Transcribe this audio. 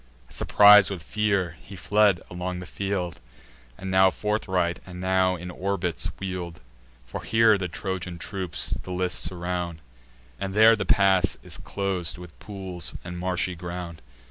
Surpris'd with fear, he fled along the field, And now forthright, and now in orbits wheel'd; For here the Trojan troops the list surround, And there the pass is clos'd with pools and marshy ground.